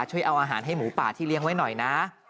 ช่วยเอาอาหารให้หมูป่าที่เลี้ยงไว้หน่อยนะ